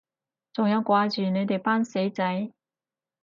仲有掛住你哋班死仔